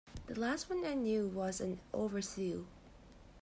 The last one I knew was an overseer.